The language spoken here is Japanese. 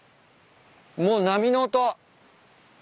もう波の音。